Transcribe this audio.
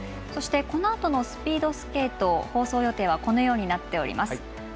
このあとのスピードスケート、放送予定はこのようになっています。